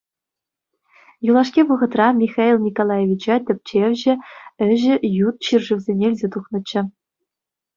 Юлашки вӑхӑтра Михаил Николаевича тӗпчевҫӗ ĕçĕ ют ҫӗршывсене илсе тухнӑччӗ.